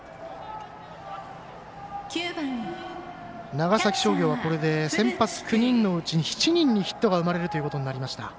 長崎商業はこれで先発９人のうち７人にヒットが生まれるということになりました。